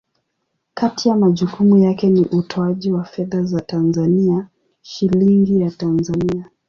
Kati ya majukumu yake ni utoaji wa fedha za Tanzania, Shilingi ya Tanzania.